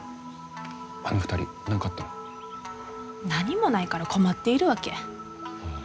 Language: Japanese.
何もないから困っているわけ。